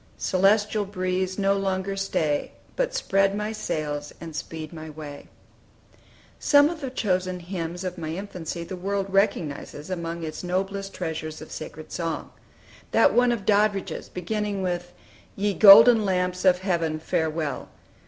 Celestial breeze, no longer stay! But spread my sails, and speed my way!" Some of the chosen hymns of my infancy the world recognizes among its noblest treasures of sacred song. That one of Doddridge's, beginning with "Ye golden lamps of heaven, farewell!"